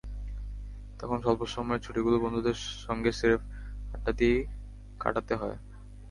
তখন স্বল্প সময়ের ছুটিগুলো বন্ধুদের সঙ্গে স্রেফ আড্ডা দিয়েই কাটাতে হয়।